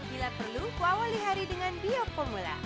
bila perlu kuawali hari dengan bioformula